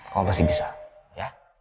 kau pasti bisa ya